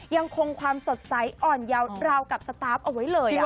ยังคงความสดใสอ่อนยาวราวกับสตาร์ฟเอาไว้เลย